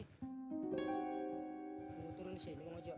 tunggu turun disini